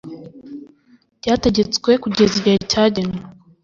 byategetswe kugeza igihe cyagenwe